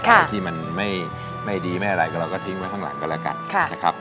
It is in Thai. อะไรที่มันไม่ดีไม่อะไรก็เราก็ทิ้งไว้ข้างหลังก็แล้วกันนะครับ